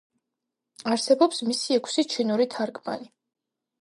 არსებობს მისი ექვსი ჩინური თარგმანი.